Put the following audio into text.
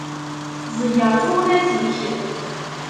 Ẓeyyer tuɣmas-ik.